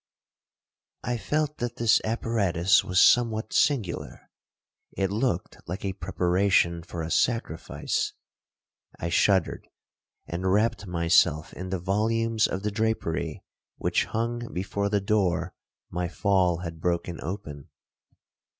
'I felt that this apparatus was somewhat singular—it looked like a preparation for a sacrifice. I shuddered, and wrapt myself in the volumes of the drapery which hung before the door my fall had broken open.